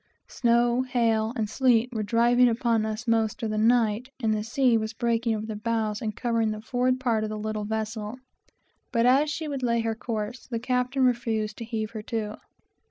Snow, hail, and sleet were driving upon us most of the night, and the sea was breaking over the bows and covering the forward part of the little vessel; but as she would lay her course the captain refused to heave her to.